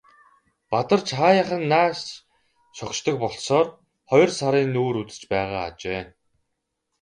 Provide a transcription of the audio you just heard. Бадарч хааяахан нааш шогшдог болсоор хоёр сарын нүүр үзэж байгаа ажээ.